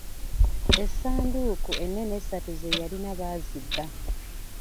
Essanduuku ennene essatu ze yalina baazibba.